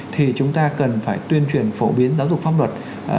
thì chúng ta cần phải tuyên truyền phổ biến giáo dục pháp luật